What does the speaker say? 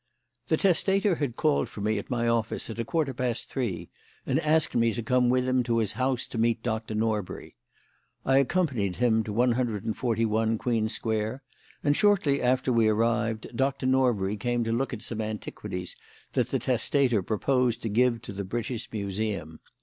"The testator had called for me at my office at a quarter past three, and asked me to come with him to his house to meet Doctor Norbury. I accompanied him to 141 Queen Square, and shortly after we arrived Doctor Norbury came to look at some antiquities that the testator proposed to give to the British Museum.